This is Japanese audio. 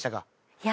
いや。